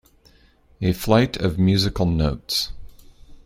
A flight of musical notes.